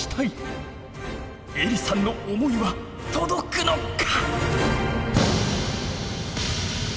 えりさんの思いは届くのか！？